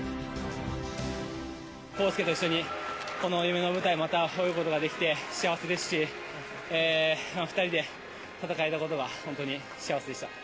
公介と一緒にこの夢の舞台、また泳ぐことができて、幸せですし、２人で戦えたことが本当に幸せでした。